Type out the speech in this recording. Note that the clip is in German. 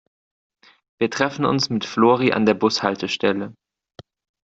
Wir treffen uns mit Flori an der Bushaltestelle.